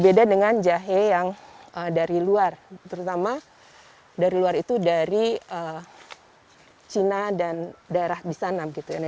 beda dengan jahe yang dari luar terutama dari luar itu dari cina dan daerah di sana gitu ya